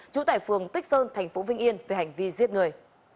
chủ tải phường tích sơn thành phố vĩnh yên về hành vi giết người